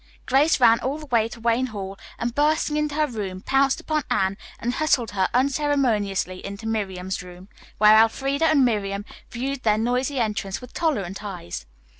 Grace ran all the way to Wayne Hall, and bursting into her room pounced upon Anne and hustled her unceremoniously into Miriam's room, where Elfreda and Miriam viewed their noisy entrance with tolerant eyes.